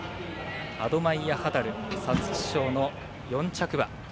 アドマイヤハダル、皐月賞の４着馬。